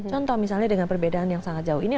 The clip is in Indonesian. contoh misalnya dengan perbedaan yang sangat jauh ini